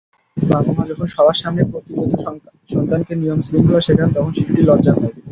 মা-বাবা যখন সবার সামনে প্রতিনিয়ত সন্তানকে নিয়ম-শৃঙ্খলা শেখান, তখন শিশুটি লজ্জা পায়।